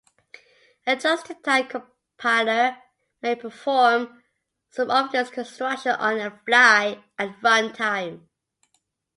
A just-in-time compiler may perform some of this construction "on-the-fly" at run time.